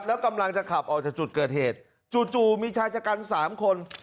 แล้วกำลังจะขับออกจากจุดเกิดเหตุจู่มีชายชะกัน๓คน